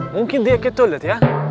mungkin dia ke toilet ya